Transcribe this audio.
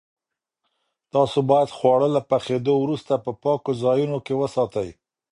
تاسو باید خواړه له پخېدو وروسته په پاکو ځایونو کې وساتئ.